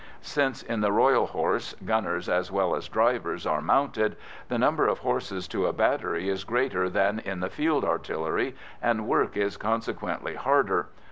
Since, in the Royal Horse, gunners as well as drivers are mounted, the number of horses to a battery is greater than in the Field Artillery, and work is consequently harder.